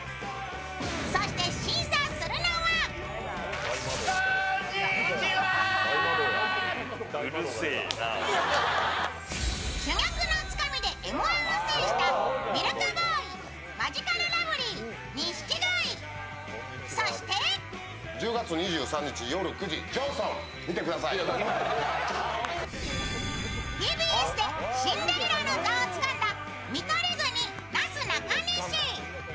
そして、審査するのは珠玉のつかみで「Ｍ−１」を制したミルクボーイ・マヂカルラブリー錦鯉、そしてＴＢＳで新レギュラーの座をつかんだ見取り図になすなかにし。